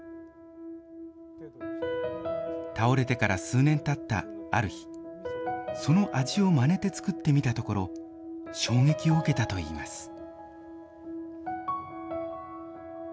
倒れてから数年たったある日、その味をまねて作ってみたところ、衝撃を受けたといいます。